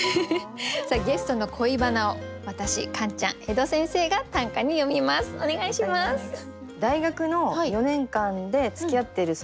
ゲストの恋バナを私カンちゃん江戸先生が短歌に詠みます。